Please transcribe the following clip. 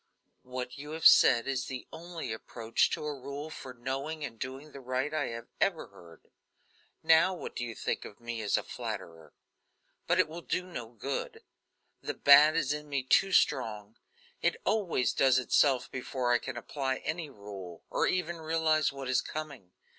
"What you have said is the only approach to a rule for knowing and doing the right I have ever heard. Now what do you think of me as a flatterer? But it will do no good; the bad is in me too strong; it always does itself before I can apply any rule, or even realize what is coming."